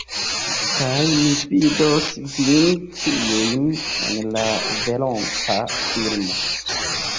Kaj mi vidos vin ĉiujn en la veronta filmo.